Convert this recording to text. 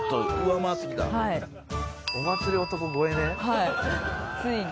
はいついに。